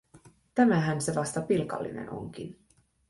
Tämähän se vasta pilkallinen onkin.